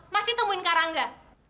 masih temuin karangga